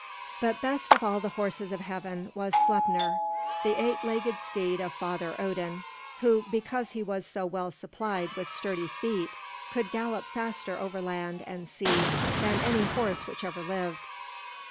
But best of all the horses of heaven was Sleipnir, the eight legged steed of Father Odin, who because he was so well supplied with sturdy feet could gallop faster over land and sea than any horse which ever lived.